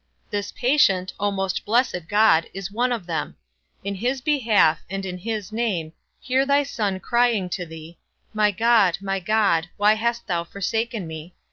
This patient, O most blessed God, is one of them; in his behalf, and in his name, hear thy Son crying to thee, _My God, my God, why hast thou forsaken me?